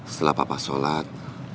setelah papa sholat